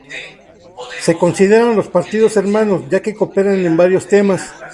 Se consideran los partidos hermanos, ya que cooperan en varios temas.